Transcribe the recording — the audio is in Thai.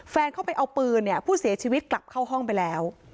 แฟนเข้าไปเอาปืนเนี่ยผู้เสียชีวิตกลับเข้าห้องไปแล้ว